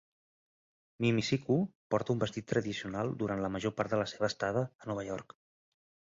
Mimi-Siku porta un vestit tradicional durant la major part de la seva estada a Nova York.